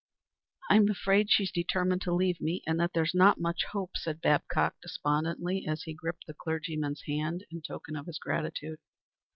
"I'm afraid she's determined to leave me, and that there's not much hope," said Babcock, despondently, as he gripped the clergyman's hand in token of his gratitude.